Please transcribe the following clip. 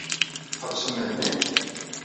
Tḥebsem Mhenni?